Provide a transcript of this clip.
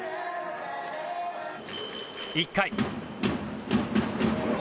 １回。